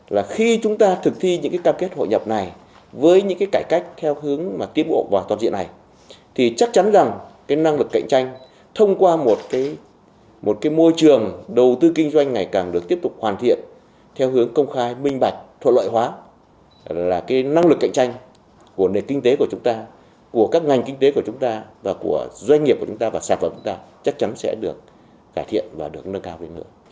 và của doanh nghiệp của chúng ta và sản phẩm của chúng ta chắc chắn sẽ được cải thiện và được nâng cao đến nữa